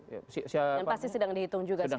dan pasti sedang dihitung juga sekarang